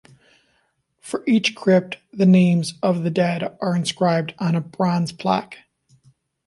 For each crypt the names of the dead are inscribed on a bronze plaque.